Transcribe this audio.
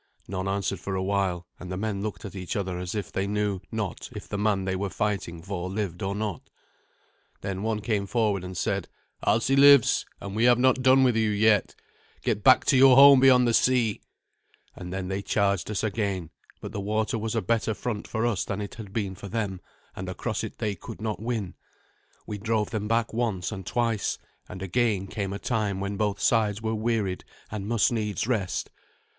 None answered for a while, and the men looked at each other as if they knew not if the man they were fighting for lived or not. Then one came forward and said, "Alsi lives, and we have not done with you yet. Get you back to your home beyond the sea!" And then they charged us again; but the water was a better front for us than it had been for them, and across it they could not win. We drove them back once and twice; and again came a time when both sides were wearied and must needs rest.